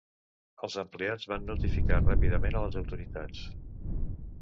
Els empleats van notificar ràpidament a les autoritats.